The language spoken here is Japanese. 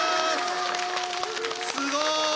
すごい！